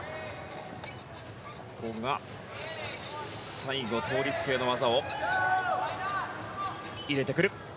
最後、倒立系の技を入れてくる。